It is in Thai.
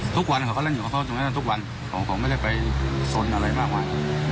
ทุกวันเขาเล่นอยู่ข้างตรงนั้นทุกวันของเขาไม่ได้ไปซ้นอะไรมากว่า